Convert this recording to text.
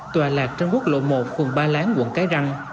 tòa lạc trân quốc lộ một phường ba lán quận cái răng